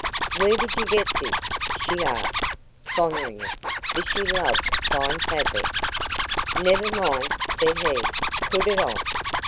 "Where did you get this?" she asked, fondling it, for she loved fine fabrics. "Never mind," said he. "Put it on."